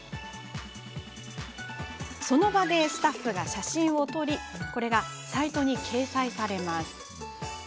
その場でスタッフが写真を撮りサイトに掲載されます。